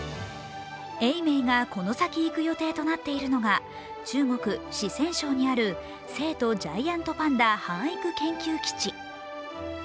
永明がこの先行く予定となっているのが中国四川省にある成都ジャイアントパンダ繁育研究基地。